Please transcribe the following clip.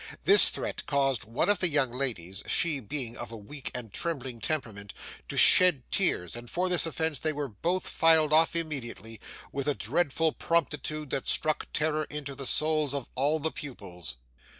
This threat caused one of the young ladies, she being of a weak and trembling temperament, to shed tears, and for this offense they were both filed off immediately, with a dreadful promptitude that struck terror into the souls of all the pupils.